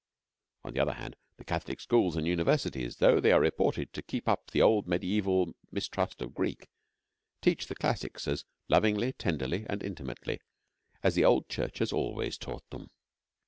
On the other hand, the Catholic schools and universities, though they are reported to keep up the old medieval mistrust of Greek, teach the classics as lovingly, tenderly, and intimately as the old Church has always taught them.